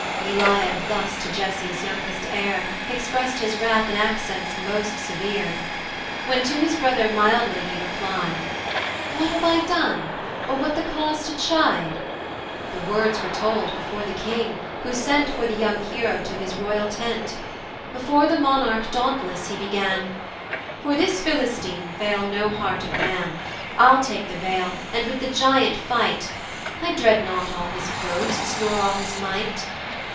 Eliab thus to Jesse's youngest heir, Express'd his wrath in accents most severe. When to his brother mildly he reply'd. "What have I done? or what the cause to chide? The words were told before the king, who sent For the young hero to his royal tent: Before the monarch dauntless he began, "For this Philistine fail no heart of man: "I'll take the vale, and with the giant fight: "I dread not all his boasts, nor all his might."